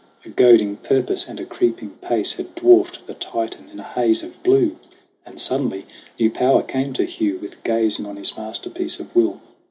A goading purpose and a creeping pace Had dwarfed the Titan in a haze of blue ! And suddenly new power came to Hugh With gazing on his masterpiece of will.